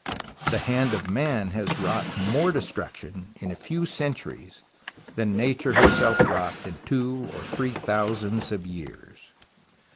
The hand of man has wrought more destruction in a few centuries than Nature herself wrought in two or three thousands of years.